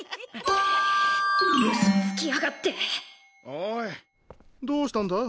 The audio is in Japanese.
おいどうしたんだ？